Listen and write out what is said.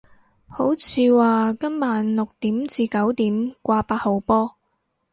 好似話今晚六點至九點掛八號波